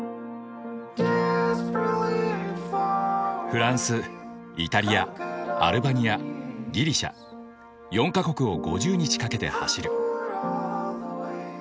フランスイタリアアルバニアギリシャ４か国を５０日かけて走る。